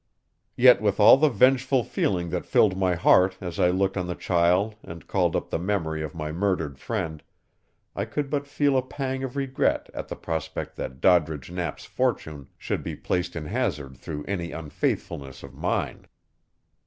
Yet with all the vengeful feeling that filled my heart as I looked on the child and called up the memory of my murdered friend, I could but feel a pang of regret at the prospect that Doddridge Knapp's fortune should be placed in hazard through any unfaithfulness of mine.